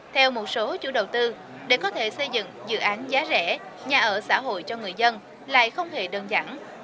theo một số chủ đầu tư để có thể xây dựng dự án giá rẻ nhà ở xã hội cho người dân lại không hề đơn giản